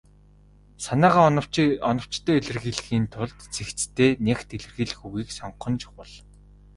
Санаагаа оновчтой илэрхийлэхийн тулд цэгцтэй, нягт илэрхийлэх үгийг сонгох нь чухал.